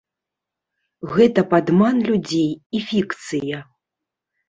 Гэта падман людзей і фікцыя.